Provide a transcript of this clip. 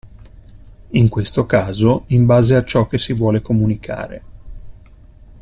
In questo caso in base a ciò che si vuole comunicare.